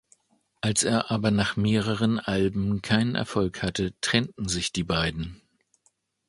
Als er aber nach mehreren Alben keinen Erfolg hatte, trennten sich die beiden.